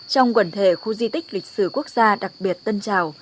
trong quần thể khu di tích lịch sử quốc gia đặc biệt tân trào